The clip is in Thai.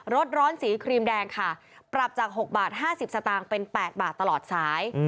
ร้อนสีครีมแดงค่ะปรับจาก๖บาท๕๐สตางค์เป็น๘บาทตลอดสาย